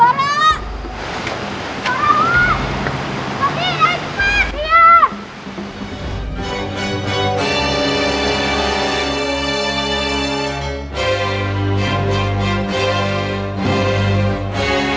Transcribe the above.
oh iya iya iya benar benar cepat